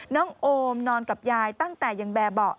โอมนอนกับยายตั้งแต่ยังแบบเบาะ